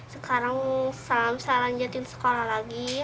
sekarang salam salam jatuhin sekolah lagi